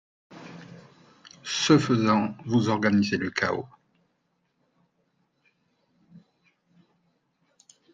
Ce faisant, vous organisez le chaos